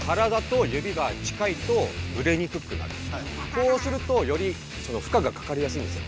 こうするとよりふかがかかりやすいんですよ